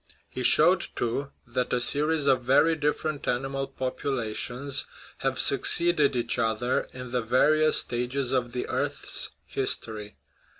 He showed, too, that a series of very dif ferent animal populations have succeeded each other in the various stages of the earth's history.